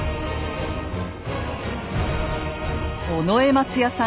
尾上松也さん